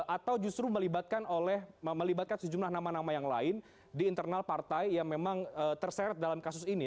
atau justru melibatkan sejumlah nama nama yang lain di internal partai yang memang terseret dalam kasus ini